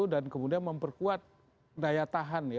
dan kemudian memperkuat